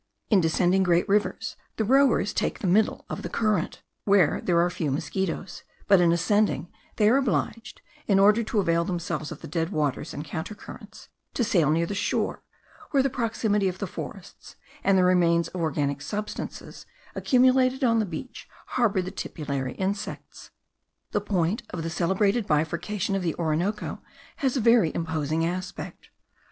In descending great rivers, the rowers take the middle of the current, where there are few mosquitos; but in ascending, they are obliged, in order to avail themselves of the dead waters and counter currents, to sail near the shore, where the proximity of the forests, and the remains of organic substances accumulated on the beach, harbour the tipulary insects. The point of the celebrated bifurcation of the Orinoco has a very imposing aspect.